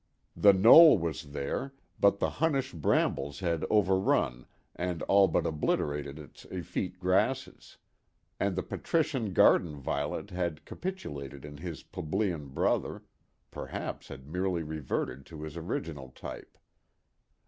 The knoll was there, but the Hunnish brambles had overrun and all but obliterated its effete grasses; and the patrician garden violet had capitulated to his plebeian brother—perhaps had merely reverted to his original type.